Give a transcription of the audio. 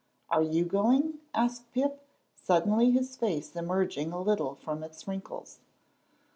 "Are you going?" asked Pip, suddenly, his face emerging a little from its wrinkles.